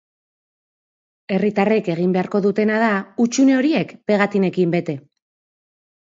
Herritarrek egin beharko dutena da hutsune horiek pegatinekin bete.